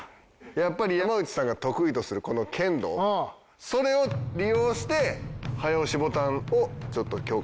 やっぱり山内さんが得意とするこの剣道それを利用して早押しボタンをちょっと強化していく。